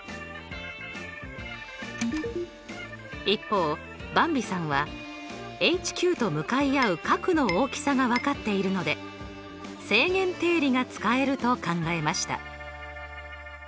一方ばんびさんはＨＱと向かい合う角の大きさが分かっているので正弦定理が使えると考えました。